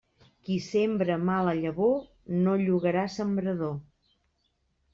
Qui sembre mala llavor, no llogarà sembrador.